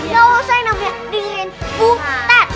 gak usah nanya nanya dengerin butet